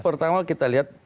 pertama kita lihat